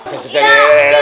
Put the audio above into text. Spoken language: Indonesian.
ya saya harus jalan jalan